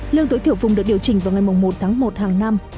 lương tối thiểu vùng được điều chỉnh vào ngày một tháng một hàng năm